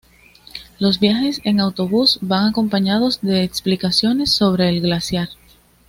Los viajes en autobús van acompañados de explicaciones sobre el glaciar.